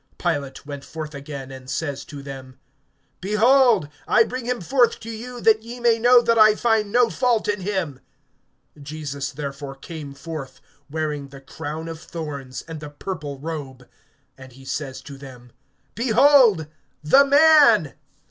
(4)Pilate went forth again, and says to them: Behold, I bring him forth to you, that ye may know that I find no fault in him. (5)Jesus therefore came forth, wearing the crown of thorns, and the purple robe. And he says to them: Behold the man!